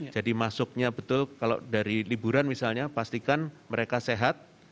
jadi masuknya betul kalau dari liburan misalnya pastikan mereka sehat